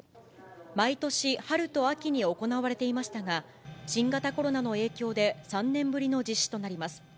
毎年、春と秋に行われていましたが、新型コロナの影響で３年ぶりの実施となります。